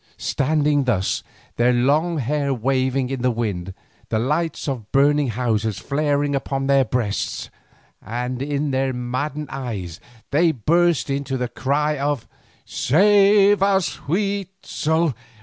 Standing thus, their long hair waving on the wind, the light of burning houses flaring upon their breasts and in their maddened eyes, they burst into the cry of: "_Save us, Huitzel!